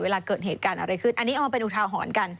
เกิดเหตุการณ์อะไรขึ้นอันนี้เอามาเป็นอุทาหรณ์กัน